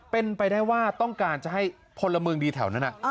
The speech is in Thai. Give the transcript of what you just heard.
เป็นไปได้ว่าต้องการจะให้พลเมืองดีแถวนั้น